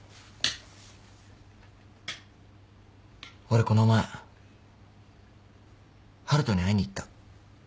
俺この前晴翔に会いに行った。